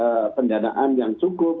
dan pendanaan yang cukup